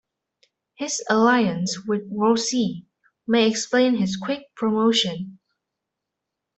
His alliance with Wolsey may explain his quick promotion.